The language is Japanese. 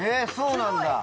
そうなんだ。